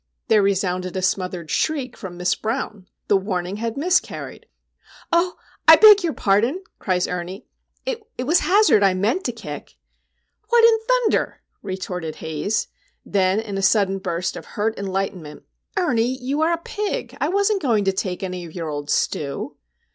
There resounded a smothered shriek from Miss Brown. The warning had miscarried! "Oh, I beg your pardon!" cries Ernie. "It was Hazard I meant to kick!" "What in thunder!" retorted Haze. Then, in a sudden burst of hurt enlightenment,—"Ernie, you are a pig! I wasn't going to take any of your old stew."